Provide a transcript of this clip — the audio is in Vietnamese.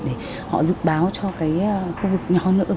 để họ dự báo cho các khu vực nhỏ nữa